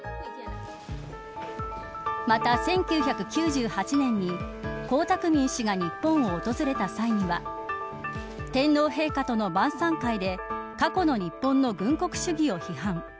また、１９９８年に江沢民氏が日本を訪れた際には天皇陛下との晩さん会で過去の日本の軍国主義を批判。